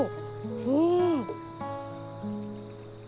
うん！？